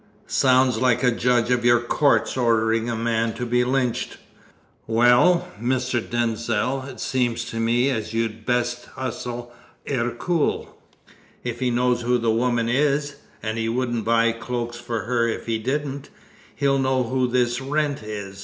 Sounds like a judge of your courts ordering a man to be lynched. Well, Mr. Denzil, it seems to me as you'd best hustle Ercole. If he knows who the woman is and he wouldn't buy cloaks for her if he didn't he'll know who this Wrent is.